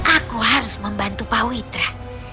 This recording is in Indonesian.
aku harus membantu pak witra